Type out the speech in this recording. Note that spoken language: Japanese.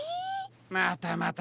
またまた。